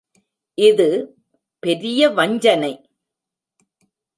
இது பெரிய வஞ்சனை.